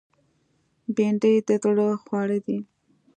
بېنډۍ د زړه خواړه دي